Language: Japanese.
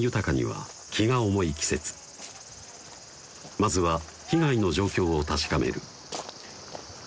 まずは被害の状況を確かめる